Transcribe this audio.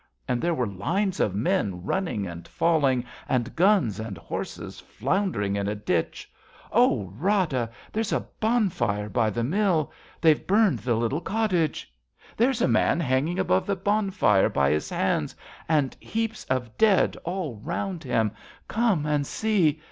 And there were lines of men running and falling. And guns and horses floundering in a ditch. Oh, Rada ! there's a bonfire by the mill. They've burned the little cottage. There's a man Hanging above the bonfire by his hands. And heaps of dead all round him. Come and see